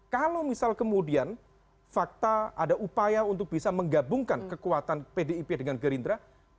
kalau misal kemudian fakta ada upaya untuk bisa menggabungkan kekuatan pdip dengan gerindra